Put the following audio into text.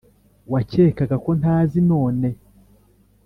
wakekaga ko ntazi none